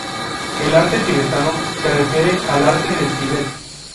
El arte tibetano se refiere al arte del Tíbet.